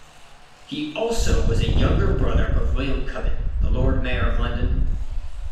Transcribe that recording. He also was a younger brother of William Cubitt, the Lord Mayor of London.